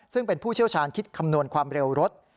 ซึ่งเป็นผู้เชี่ยวชาญคิดคำนวณความเร็วรถ